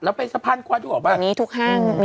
แล้วไปสะพานควาดูเอาแบบนะมั้ยตอนนี้ทุกห้างมี